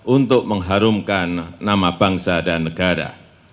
untuk mengharumkan nama bangsa dan negara